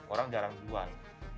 orang jarang jual